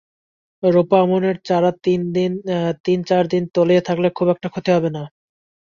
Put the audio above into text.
রোপা আমনের চারা তিন-চার দিন তলিয়ে থাকলে খুব একটা ক্ষতি হবে না।